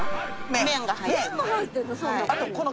麺が入ってんの？